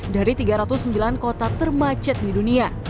dari tiga ratus sembilan kota termacet di dunia